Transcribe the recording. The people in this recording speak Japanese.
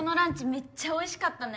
めっちゃおいしかったね。